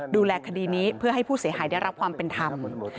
ดูแลคดีนี้เพื่อให้ผู้เสียหายได้รับความเป็นธรรม